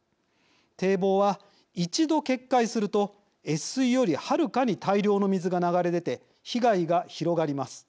堤防は一度決壊すると越水よりはるかに大量の水が流れ出て被害が広がります。